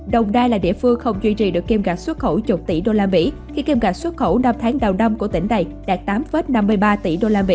đồng đai là địa phương không duy trì được kim ngạch xuất khẩu một mươi tỷ usd khi kim ngạch xuất khẩu năm tháng đầu năm của tỉnh này đạt tám năm mươi ba tỷ usd